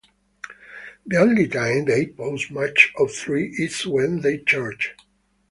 The only time they pose much of a threat is when they charge.